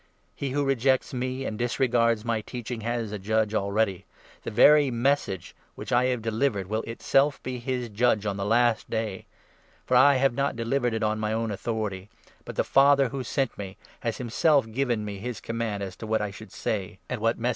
He who rejects me, 48 and disregards my teaching, has a judge already — the very Message which I have delivered will itself be his judge at the Last Day. For I have not delivered it on my own 49 authority ; but the Father, who sent me, has himself given me his command as to what I should say, and what message •* Isa.